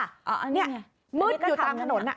อันนี้ไงมืดอยู่ตามถนน